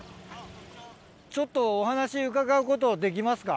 ちょっとお話伺うことできますか？